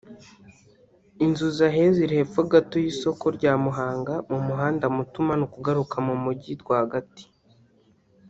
Inzu zahiye ziri hepfo gato y’isoko rya Muhanga mu muhanda muto umanuka ugaruka mu mujyi rwagati